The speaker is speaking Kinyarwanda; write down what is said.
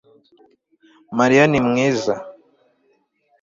Mariya ni mwiza